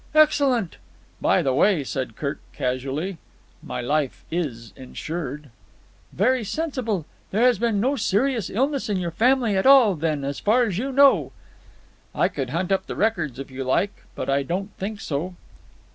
"Excellent." "By the way," said Kirk casually, "my life is insured." "Very sensible. There has been no serious illness in your family at all, then, as far as you know?" "I could hunt up the records, if you like; but I don't think so."